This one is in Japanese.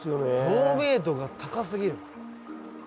透明度が高すぎる。